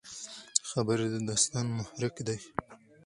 خبرې د داستان محرک دي.